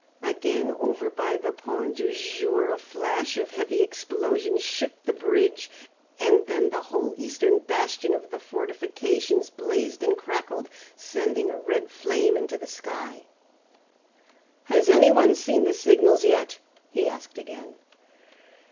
Again over by the Point du Jour a flash and heavy explosion shook the bridge, and then the whole eastern bastion of the fortifications blazed and crackled, sending a red flame into the sky. "Has any one seen the signals yet?" he asked again.